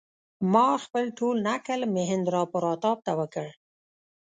ما خپل ټول نکل مهیندراپراتاپ ته وکړ.